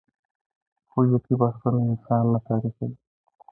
هویتي بحثونه انسان نه تعریفوي.